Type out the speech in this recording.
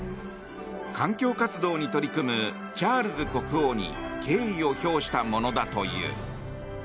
環境活動に取り組むチャールズ国王に敬意を表したものだという。